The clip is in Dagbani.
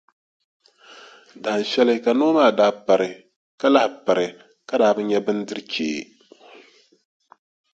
Dahinshɛli ka noo maa daa pari ka labi pari ka daa bi nya bindirʼ chee.